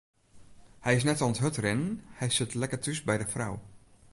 Hy is net oan it hurdrinnen, hy sit lekker thús by de frou.